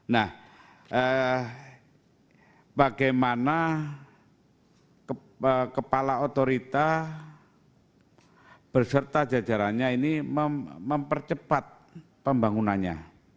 nah bagaimana kepala otorita berserta jajarannya ini mempercepat pembangunannya